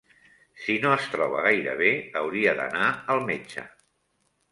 Si no es troba gaire bé hauria d'anar al metge.